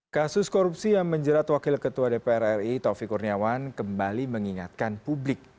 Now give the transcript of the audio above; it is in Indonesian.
kasus korupsi yang menjerat wakil ketua dpr ri taufik kurniawan kembali mengingatkan publik